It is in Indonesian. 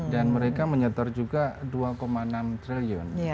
dan mereka menyetar juga dua enam triliun